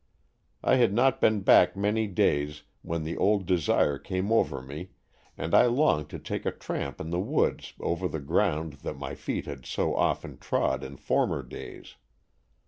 I had not been back many days when 8 Stories from the Adirondack^ the old desire came over me and I longed to take a tramp in the woods over the ground that my feet had so often trod in former days.